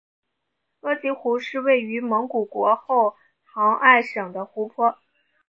额吉湖是位于蒙古国后杭爱省的湖泊。